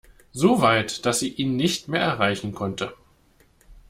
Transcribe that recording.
So weit, dass sie ihn nicht mehr erreichen konnte.